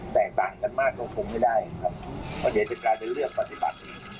แตกต่างกันมากก็คงไม่ได้ครับเดี๋ยวจะการเลือกปฏิบัติ